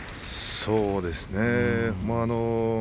そうですね。